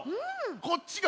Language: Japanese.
こっちが。